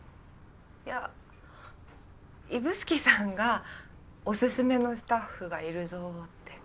いや指宿さんがオススメのスタッフがいるぞって。